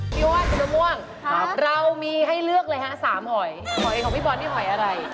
คิดว่าเป็นมะม่วงเรามีให้เลือกเลยฮะสามหอยหอยของพี่บอลนี่หอยอะไร